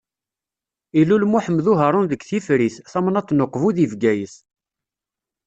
Ilul Muḥemmed Uharun deg Tefrit, tamnaḍt n Uqbu di Bgayet.